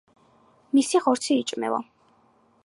მისი ხორცი იჭმევა.